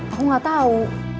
aku gak tau